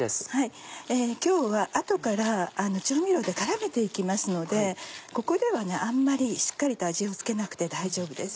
今日は後から調味料で絡めて行きますのでここではあんまりしっかりと味を付けなくて大丈夫です。